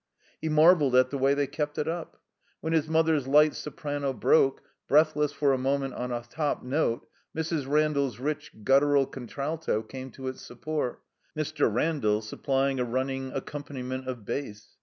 He marveled at the way they kept it up. When his mother's light soprano broke, breathless for a moment, on a top note, Mrs. Randall's rich» guttural contralto came to its support, Mr. Randall supplying a running accompaniment of bass.